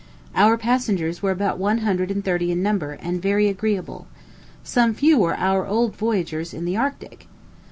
Our passengers were about one hundred and thirty in number, and very agreeable some few were our old voyagers in the Arctic.